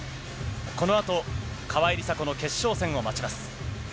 このあと、川井梨紗子の決勝戦を待ちます。